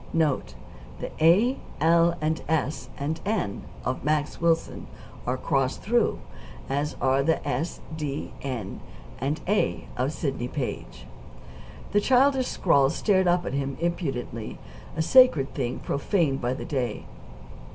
[Note: the a, l, s, and n of "Max Wilson" are crossed through, as are the S, d, n, and a of "Sidney Page"] The childish scrawl stared up at him impudently, a sacred thing profaned by the day.